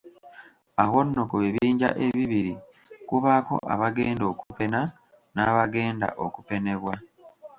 Awo nno ku bibinja ebibiri kubaako abagenda okupena n'abagenda okupenebwa.